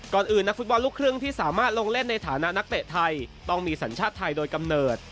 อื่นนักฟุตบอลลูกครึ่งที่สามารถลงเล่นในฐานะนักเตะไทยต้องมีสัญชาติไทยโดยกำเนิด